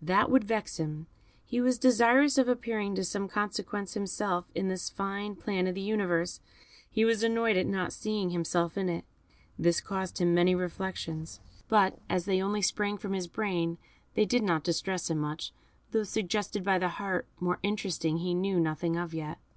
That would vex him; he was desirous of appearing of some consequence himself in this fine plan of the universe, he was annoyed at not seeing himself in it. This caused him many reflections, but as they only sprang from his brain, they did not distress him much those suggested by the heart, more interesting, he knew nothing of yet.